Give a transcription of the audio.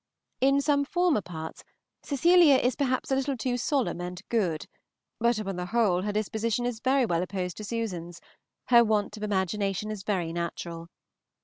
In some former parts Cecilia is perhaps a little too solemn and good, but upon the whole her disposition is very well opposed to Susan's, her want of imagination is very natural.